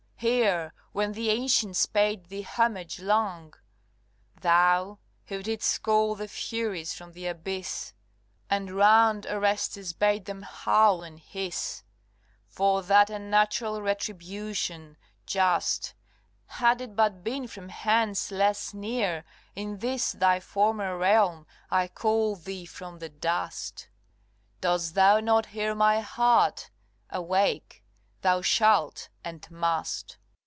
Here, where the ancients paid thee homage long Thou, who didst call the Furies from the abyss, And round Orestes bade them howl and hiss For that unnatural retribution just, Had it but been from hands less near in this Thy former realm, I call thee from the dust! Dost thou not hear my heart? Awake! thou shalt, and must.